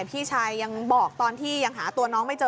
พี่ชายยังบอกตอนที่ยังหาตัวน้องไม่เจอ